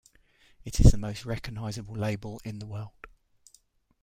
It is the most recognizable label in the world.